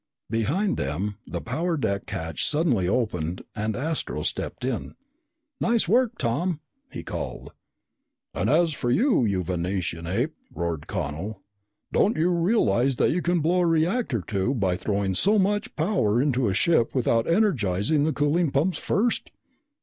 Behind them, the power deck hatch suddenly opened and Astro stepped in. "Nice work, Tom!" he called. "And as for you, you Venusian ape," roared Connel, "don't you realize that you can blow a reactor tube by throwing so much power into a ship without energizing the cooling pumps first?"